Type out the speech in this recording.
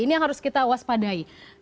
ini yang harus kita waspadai